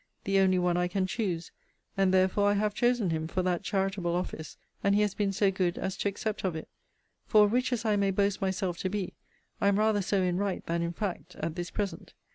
the only one I can choose; and therefore I have chosen him for that charitable office, and he has been so good as to accept of it: for, rich as I may boast myself to be, I am rather so in right than in fact, at this present.